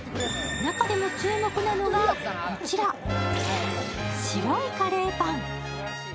中でも注目なのがこちら、白いカレーパン。